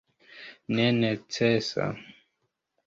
nenecesa